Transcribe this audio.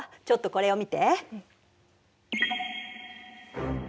ちょっとこれを見て。